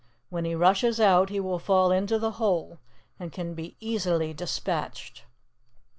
When he rushes out, he will fall into the hole, and can be easily despatched.